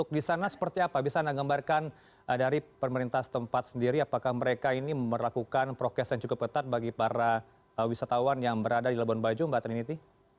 di sana seperti apa bisa anda gambarkan dari pemerintah tempat sendiri apakah mereka ini melakukan prokes yang cukup ketat bagi para wisatawan yang berada di labuan bajo mbak trinity